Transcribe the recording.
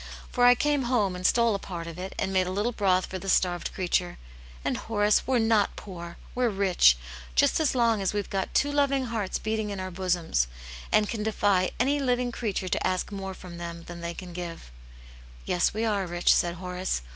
For I came home and stole a part of it, and made a little broth for the starved creature, and Horace, we're not poor ! We're rich, just as long as we've got two loving hearts beating in our bosoms, and can defy any living creature to ask more from them than they can give," ' "Yes, we are rich," said Horace.